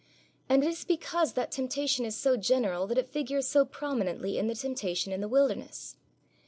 And it is because that temptation is so general that it figures so prominently in the Temptation in the wilderness.